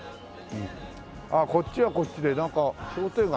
ああこっちはこっちでなんか商店街？